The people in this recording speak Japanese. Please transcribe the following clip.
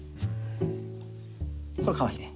これかわいいね。